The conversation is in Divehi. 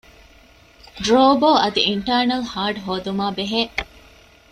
ޑްރޯބޯ އަދި އިންޓާރނަލް ހާޑް ހޯދުމާބެހޭ